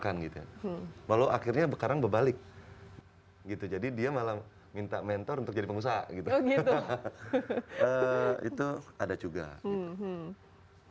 kan itu itu jadi dia malam minta mentor untuk jadi pengusaha gitu itu ada juga masing masing ada vaiwee